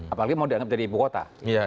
apalagi mau dianggap jadi ibu kota